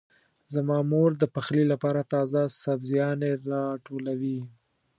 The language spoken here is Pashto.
زما مور د پخلي لپاره تازه سبزيانې راټولوي.